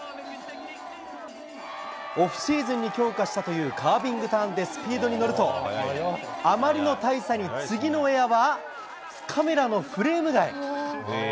オフシーズンに強化したというカービングターンでスピードに乗ると、あまりの大差に次のエアはカメラのフレーム外。